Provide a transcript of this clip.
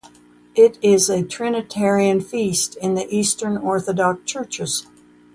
It is a Trinitarian feast in the Eastern Orthodox Churches.